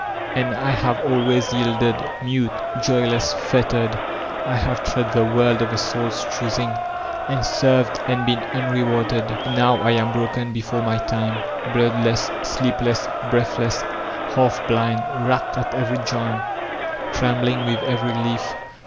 *' And I have always yielded : mute, joyless, fettered, I have trod the world of the Soul's choosing, and served and been unrewarded. Now I am broken before my time; bloodless, sleepless, breathless, — ^half blind, racked at every joint, trembling with every leaf.